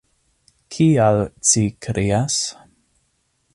Kial ci krias?